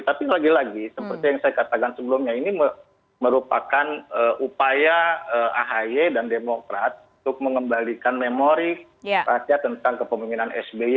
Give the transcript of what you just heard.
tapi lagi lagi seperti yang saya katakan sebelumnya ini merupakan upaya ahy dan demokrat untuk mengembalikan memori rakyat tentang kepemimpinan sby